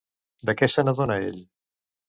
De què se n'adona ell?